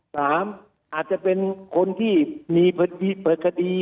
สามอาจจะเป็นคนที่มีประดี